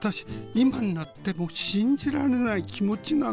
今になっても信じられない気持ちなの」。